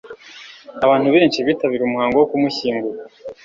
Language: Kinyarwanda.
Abantu benshi bitabiriye umuhango wo kumushyingura